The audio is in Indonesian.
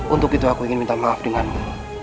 untuk itu aku ingin minta maaf denganmu